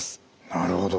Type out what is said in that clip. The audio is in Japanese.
なるほど。